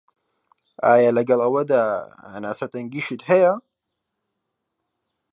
ئایا لەگەڵ ئەوەدا هەناسه تەنگیشت هەیە؟